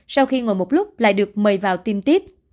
sau khi ngồi một lúc lại được mời vào tiêm tiếp